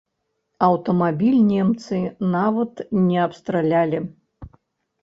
Аўтамабіль немцы нават не абстралялі!